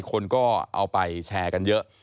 คนก็เอาไปแชร์กันเยอะ